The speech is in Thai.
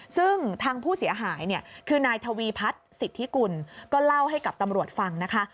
ซึ่งทางผู้เสียหายเนี่ยคือนายทวีพัฒน์สิทธิกุลก็เล่าให้กับตำรวจฟังนะคะ